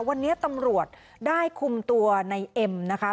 วันนี้ตำรวจได้คุมตัวในเอ็มนะคะ